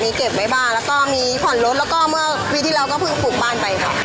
มีเก็บไว้บ้านแล้วก็มีผ่อนรถแล้วก็เมื่อปีที่แล้วก็เพิ่งปลูกบ้านไปค่ะ